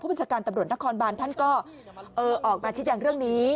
บัญชาการตำรวจนครบานท่านก็ออกมาชี้แจงเรื่องนี้